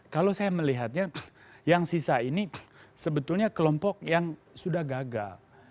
kalau saya melihatnya yang sisa ini sebetulnya kelompok yang sudah gagal